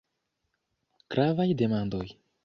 Gravaj demandoj.